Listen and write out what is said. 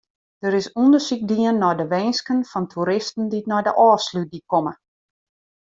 Der is ûndersyk dien nei de winsken fan toeristen dy't nei de Ofslútdyk komme.